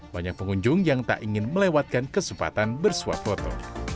banyak pengunjung yang tak ingin melewatkan kesempatan bersuap foto